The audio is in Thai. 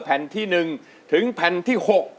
แผ่นที่๑ถึงแผ่นที่๖